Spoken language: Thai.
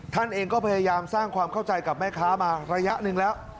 ท่านเองก็พยายามสร้างความเข้าใจกับแม่ค้ามาระยะหนึ่งแล้ว